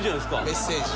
メッセージ。